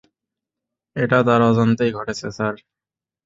এটা তার অজান্তেই ঘটেছে, স্যার।